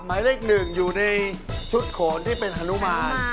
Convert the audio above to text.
หมายเลขหนึ่งอยู่ในชุดโขนที่เป็นฮานุมาน